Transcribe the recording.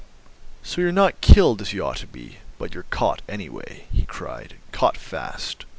"So you're not killed, as you ought to be, but you're caught, anyway," he cried; "caught fast.